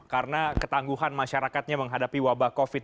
karena ketangguhan masyarakatnya menghadapi wabah covid